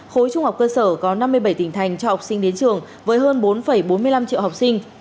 khối trung học cơ sở có năm mươi bảy tỉnh thành cho học sinh đến trường với hơn bốn bốn mươi năm triệu học sinh